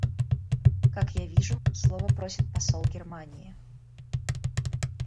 Как я вижу, слова просит посол Германии.